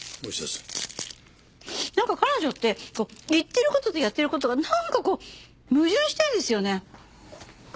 なんか彼女って言ってる事とやってる事がなんかこう矛盾してるんですよね。